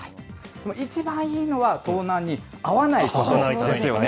でも一番いいのは、盗難に遭わないことですよね。